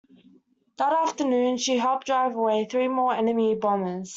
That afternoon she helped drive away three more enemy bombers.